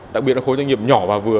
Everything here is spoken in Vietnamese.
đặc biệt là khối doanh nghiệp nhỏ và vừa